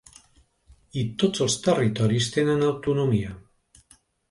I tots els territoris tenen autonomia.